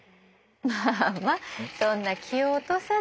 まあまあそんな気を落とさずに。